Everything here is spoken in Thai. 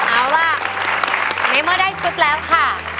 เอาล่ะโอนี่เมื่อได้ชุดแล้วค่ะ